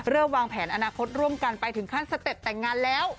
วางแผนอนาคตร่วมกันไปถึงขั้นสเต็ปแต่งงานแล้ว